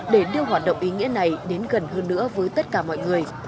để đưa hoạt động ý nghĩa này đến gần hơn nước